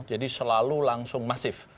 jadi selalu langsung masif